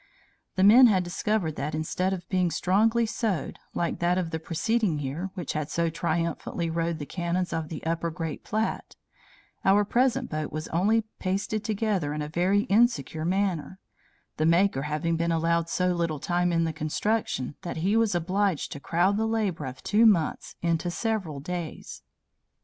The men had discovered that, instead of being strongly sewed, (like that of the preceding year, which had so triumphantly rode the canons of the Upper Great Platte), our present boat was only pasted together in a very insecure manner, the maker having been allowed so little time in the construction that he was obliged to crowd the labor of two months into several days.